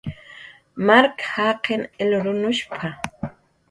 "Mark jaqin ilrunushp""a"